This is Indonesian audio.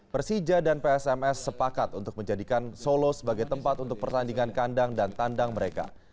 persija dan psms sepakat untuk menjadikan solo sebagai tempat untuk pertandingan kandang dan tandang mereka